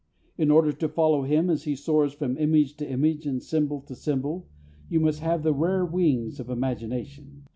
In order to follow him as he soars from image to image and symbol to symbol, you must have the rare wings of imagination....